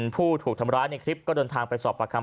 ผู้ถูกทำร้ายในคลิปก็เดินทางไปสอบประคั